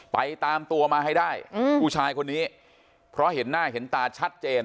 ไปตามตัวมาให้ได้ผู้ชายคนนี้เพราะเห็นหน้าเห็นตาชัดเจน